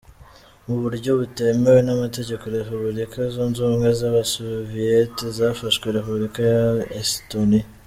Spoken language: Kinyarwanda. Mu buryo butemewe n’Amategeko Repubulika Zunze ubumwe Z’abasoviyete zafashe Repubulika ya Estonia.